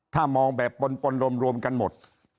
ถ้ามองแบบปนรวมกันหมด